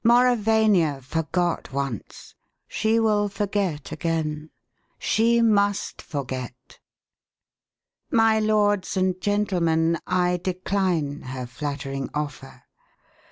"Mauravania forgot once; she will forget again. She must forget! My lords and gentlemen, I decline her flattering offer.